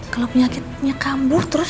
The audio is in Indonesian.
kalau penyakitnya kambur terus